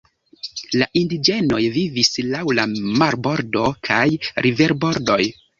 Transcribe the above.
La indiĝenoj vivis laŭ la marbordo kaj riverbordoj.